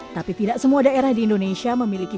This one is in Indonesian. tapi tidak semua daerah di indonesia memiliki